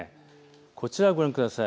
こちらをご覧ください。